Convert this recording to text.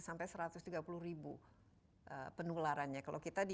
sampai satu ratus tiga puluh ribu penularannya kalau kita di